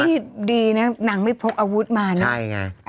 นี่ดีนะนางไม่พกอาวุธมานะใช่ไง